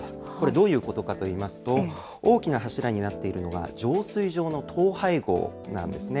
どういうことかといいますと、大きな柱になっているのが、浄水場の統廃合なんですね。